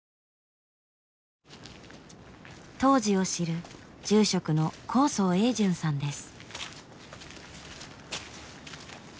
当時を知る住職の高僧英淳さんです。